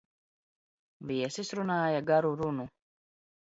Viesis runāja garu runu.